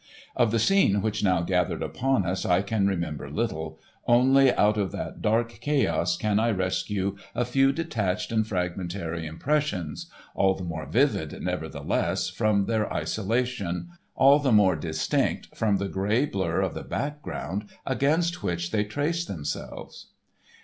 Of the scene which now gathered upon us, I can remember little, only out of that dark chaos can I rescue a few detached and fragmentary impressions—all the more vivid, nevertheless, from their isolation, all the more distinct from the grey blur of the background against which they trace themselves.